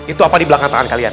itu apa di belakang tangan kalian